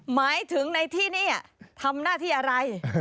หมายถึงในที่นี่ทำหน้าที่อะไร